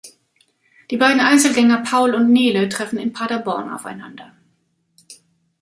Die beiden Einzelgänger Paul und Nele treffen in Paderborn aufeinander.